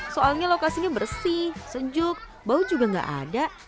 soalnya lokasinya bersih sejuk bau juga nggak ada